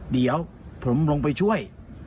เดี๋ยวผมลงไปช่วย